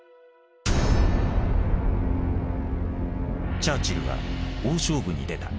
チャーチルは大勝負に出た。